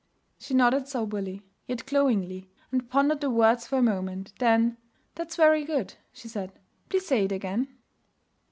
She nodded soberly, yet glowingly, and pondered the words for a moment. Then, 'That's very good,' she said. 'Please say it again.